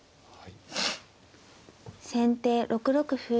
先手６六歩。